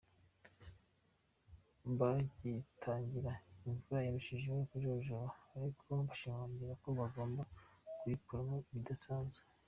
Bagitangira imvura yarushijeho kujojoba ariko bashimangira ko bagomba kuyikoramo ibidasanzwe.